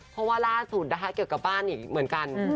เพราะว่าล่าสุดนะคะเกี่ยวกับบ้านอีกเหมือนกัน